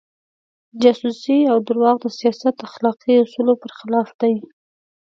جاسوسي او درواغ د سیاست اخلاقي اصولو پر خلاف دي.